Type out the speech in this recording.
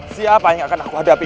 siapa yang akan aku hadapi